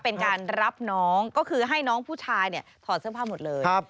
เป็นการรับน้องก็คือให้น้องผู้ชายเนี่ยถอดเสื้อผ้าหมดเลย